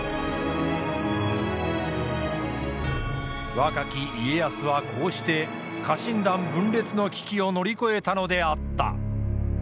若き家康はこうして家臣団分裂の危機を乗り越えたのであった。